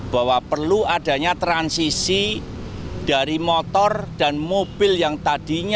bahwa perlu adanya transisi dari motor dan mobil yang tadinya